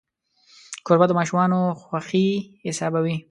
کوربه د ماشومانو خوښي حسابوي.